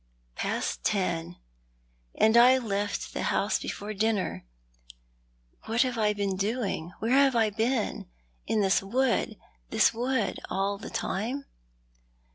" Past ten ! And I left the house before dinner. What have I been doing, where have I been ? In this wood— this wood — all the time